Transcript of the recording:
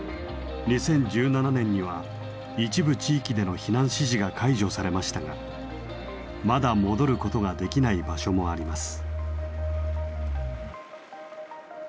２０１７年には一部地域での避難指示が解除されましたがまだ戻ることができない場所もあります。